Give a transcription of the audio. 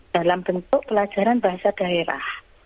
dalam bentuk pelajaran bahasa daerah